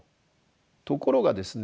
ところがですね